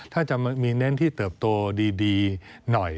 ต้องมีเน้นที่เติบโตดีหน่อยเนี่ย